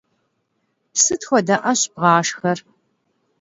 Sıt xuede 'eş bğaşşxer?